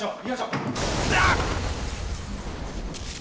うわっ！